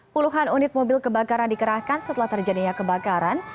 puluhan unit mobil kebakaran dikerahkan setelah terjadinya kebakaran